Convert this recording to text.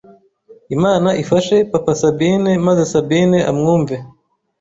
Imana ifashe papa Sabine maze Sabine amwumve